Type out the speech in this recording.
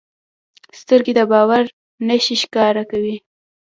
سترګې د باور نښې ښکاره کوي